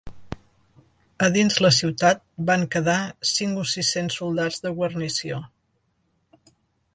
A dins la ciutat van quedar cinc o sis-cents soldats de guarnició.